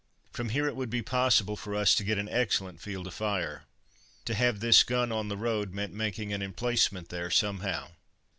From here it would be possible for us to get an excellent field of fire. To have this gun on the road meant making an emplacement there somehow.